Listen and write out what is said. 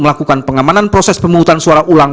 melakukan pengamanan proses pemungutan suara ulang